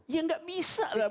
ya nggak bisa lah